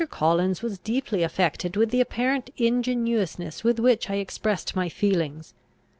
Collins was deeply affected with the apparent ingenuousness with which I expressed my feelings.